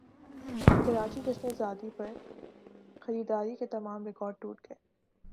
کراچی جشن زادی پرخریداری کے تمام ریکارڈٹوٹ گئے